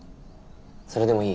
それでもいい？